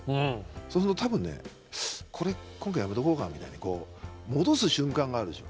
そうすると多分ねこれ今回やめとこうかみたいにこう戻す瞬間があるでしょ。